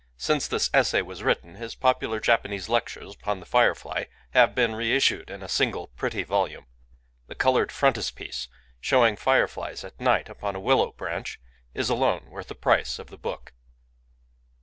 Since this essay was written, his popular Japanese lectures upon the firefly have been reissued in a single pretty volume. The coloured frontispiece, — showing fireflies at night upon a willow branch, — is alone worth the price of the book.